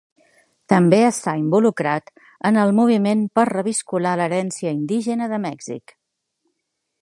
També està involucrat en el moviment per reviscolar l'herència indígena de Mèxic.